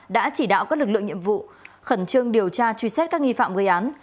đã chỉ đạo các lực lượng nhiệm vụ khẩn trương điều tra truy xét các nghi phạm gây án